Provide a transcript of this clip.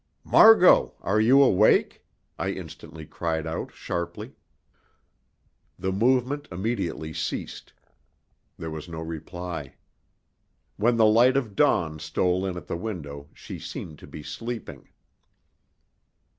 "Margot, are you awake?" I instantly cried out sharply. The movement immediately ceased. There was no reply. When the light of dawn stole in at the window she seemed to be sleeping.